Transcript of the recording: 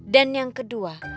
dan yang kedua